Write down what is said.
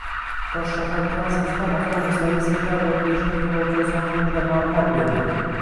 Toshshahartransxizmat avtobuslarda sentabr oyida tashilgan yo‘lovchilar soni haqida ma’lumot berdi